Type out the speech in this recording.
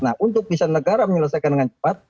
nah untuk bisa negara menyelesaikan dengan cepat